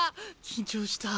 緊張した。